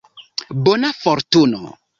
Bona fortuno.